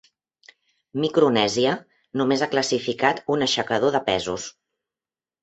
Micronèsia només ha classificat un aixecador de pesos.